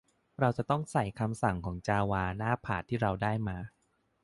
เราจะต้องใส่คำสั่งของจาวาหน้าพาธที่เราได้มา